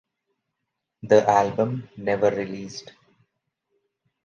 The album never released.